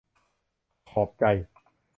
ขอบใจ